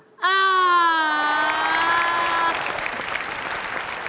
อ้าว